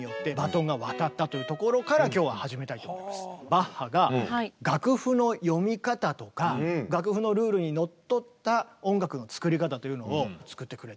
バッハが楽譜の読み方とか楽譜のルールにのっとった音楽の作り方というのを作ってくれた。